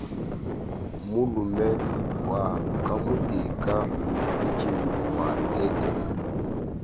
Mulume wa kamuteka mu budimi bwa edene.